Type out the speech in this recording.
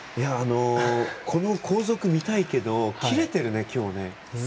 この後続が見たいけど切れてるね、今日ね。